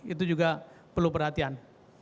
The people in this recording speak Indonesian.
itu juga perlu perhatian